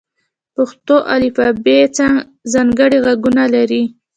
پښتو الفبې ځانګړي غږونه لري.